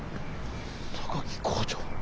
榊校長。